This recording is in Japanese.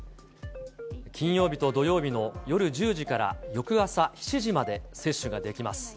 金曜日と土曜日の夜１０時から翌朝７時まで接種ができます。